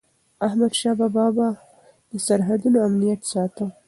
احمدشاه بابا به د سرحدونو امنیت ساته.